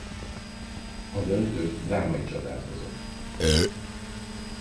A döntő drámai csatát hozott.